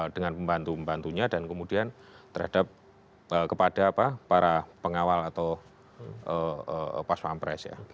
dengan pembantu pembantunya dan kemudian terhadap kepada para pengawal atau pas pampres ya